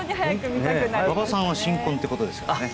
馬場さんは新婚ということですね。